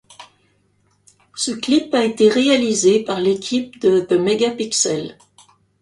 Ce clip a été réalisé par l'équipe de The Megapixel.